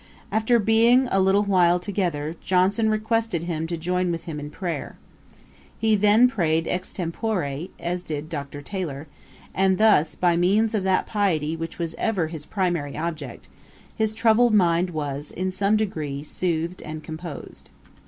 After being a little while together, Johnson requested him to join with him in prayer. He then prayed extempore, as did Dr. Taylor; and thus, by means of that piety which was ever his primary object, his troubled mind was, in some degree, soothed and composed.